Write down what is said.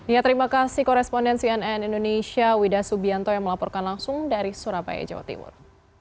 ya terima kasih korespondensi nn indonesia wida subianto yang melaporkan langsung dari surabaya jawa timur